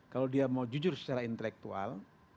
kalau dia mau jujur secara intelektual